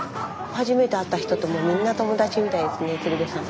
初めて会った人ともみんな友達みたいですね鶴瓶さん。